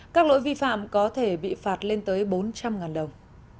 các lỗi vi phạm có thể bị phạt lên tới bốn trăm linh đồng